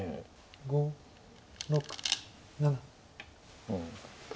５６７。